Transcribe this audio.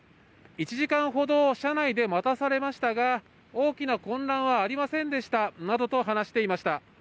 １時間ほど車内で待たされましたが、大きな混乱はありませんでしたなどと話していました。